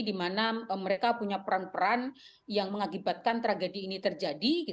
di mana mereka punya peran peran yang mengakibatkan tragedi ini terjadi